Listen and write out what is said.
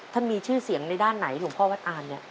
มีชื่อเสียงในด้านไหนหลวงพ่อวัดอ่านเนี่ย